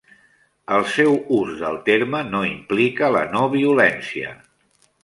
El seu ús del terme no implica la no-violència.